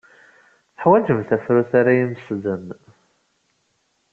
Teḥwajemt tafrut ay imesden.